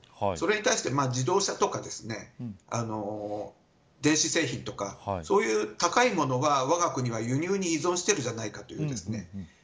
それに対して自動車とか電子製品とかそういう高いものは、わが国は輸入に依存しているじゃないかというんです。